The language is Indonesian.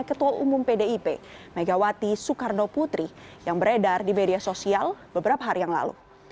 ketua umum pdip megawati soekarno putri yang beredar di media sosial beberapa hari yang lalu